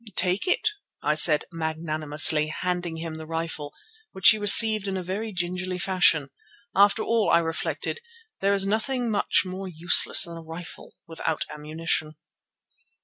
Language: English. "Take it," I said magnanimously, handing him the rifle, which he received in a very gingerly fashion. After all, I reflected, there is nothing much more useless than a rifle without ammunition.